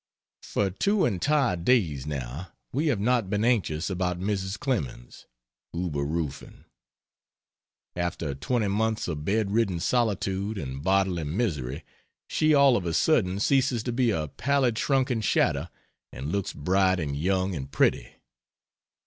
For two entire days, now, we have not been anxious about Mrs. Clemens (unberufen). After 20 months of bed ridden solitude and bodily misery she all of a sudden ceases to be a pallid shrunken shadow, and looks bright and young and pretty.